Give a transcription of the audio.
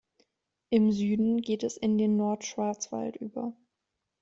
Im Süden geht es in den Nordschwarzwald über.